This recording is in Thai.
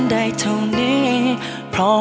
เรียกว่า